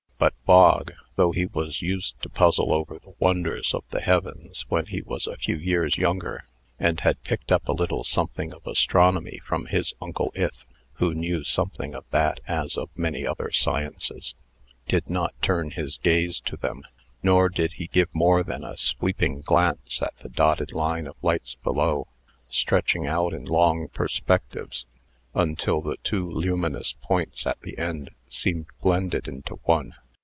But Bog, though he used to puzzle over the wonders of the heavens when he was a few years younger, and had picked up a little something of astronomy from his uncle Ith (who knew something of that as of many other sciences), did not turn his gaze to them. Nor did he give more than a sweeping glance at the dotted line of lights below, stretching out in long perspectives, until the two luminous points at the end seemed blended into one.